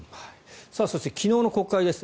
そして、昨日の国会です。